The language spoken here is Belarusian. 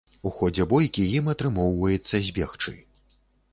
У ходзе бойкі ім атрымоўваецца збегчы.